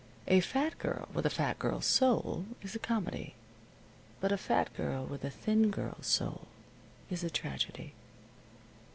A fat girl with a fat girl's soul is a comedy. But a fat girl with a thin girl's soul is a tragedy.